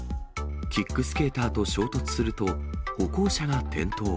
キックスケーターと衝突すると、歩行者が転倒。